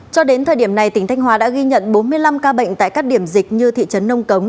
cho đến thời điểm này tỉnh thanh hóa đã ghi nhận bốn mươi năm ca bệnh tại các điểm dịch như thị trấn nông cống